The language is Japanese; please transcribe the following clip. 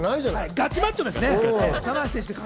ガチマッチョですよね。